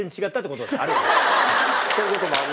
そういう事もある。